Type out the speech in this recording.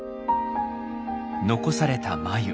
残された繭。